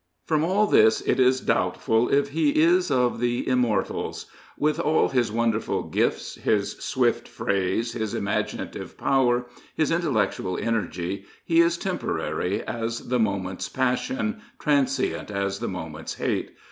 From all this it is doubtful if he is of the Immortals. With all his wonderful gifts, his swift phrase, his imaginative power, his intellectual energy, he is temporary as the moment's passion, transient as the moment's hate.